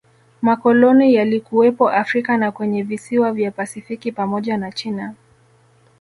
Makoloni yalikuwepo Afrika na kwenye visiwa vya pasifiki pamoja na China